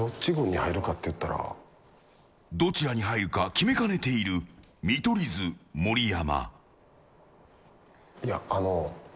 どちらに入るか決めかねている見取り図・盛山。